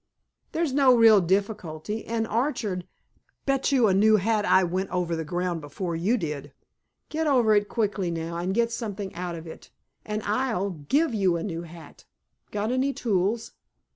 "There's no real difficulty. An orchard—" "Bet you a new hat I went over the ground before you did." "Get over it quickly now, and get something out of it, and I'll give you a new hat. Got any tools?"